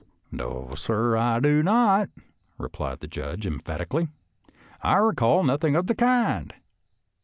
"" No, sir, I do not," replied the Judge emphatically. " I recall nothing of the kind.